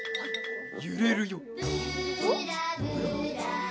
ゆれるよ。